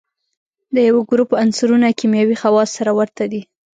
د یوه ګروپ عنصرونه کیمیاوي خواص سره ورته دي.